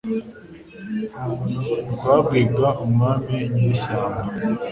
rwabwiga umwami nyiri ishyamba,